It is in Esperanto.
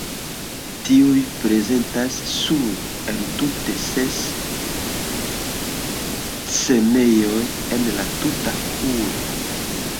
Tiuj prezentas sur entute ses scenejoj en la tuta urbo.